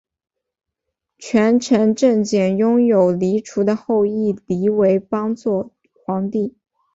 权臣郑检拥立黎除的后裔黎维邦做皇帝。